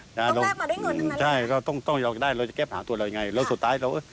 ต้องรับมาด้วยเงินทั้งนั้นแหละครับพ่ออัลลูก